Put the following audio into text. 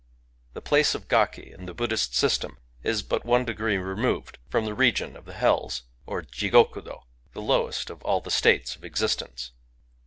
The place of gaki in the Buddhist system is but one degree removed fi"om the region of the hells, or Jigokudby — the lowest of all the States of Existence.